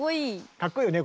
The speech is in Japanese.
かっこいいよね